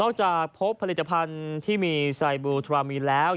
จากพบผลิตภัณฑ์ที่มีไซบูทรามีนแล้ว